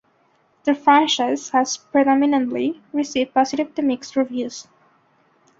The franchise has predominantly received positive to mixed reviews.